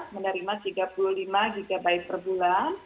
menerima tiga puluh lima gb per bulan